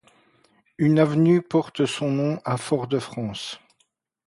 Une avenue porte son nom à Fort-de-France.